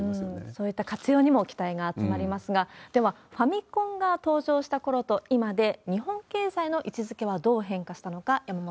そういった活用にも期待が集まりますが、では、ファミコンが登場したころと今で、日本経済の位置づけはどう変化したのか。